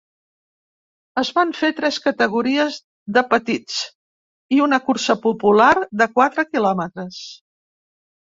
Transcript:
Es van fer tres categories de petits i una cursa popular de quatre quilòmetres.